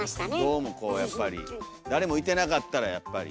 どうもこうやっぱり誰もいてなかったらやっぱり。